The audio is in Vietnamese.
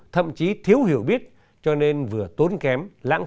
thậm chí thiếu hiểu biết cho nên vừa tốn kém lãng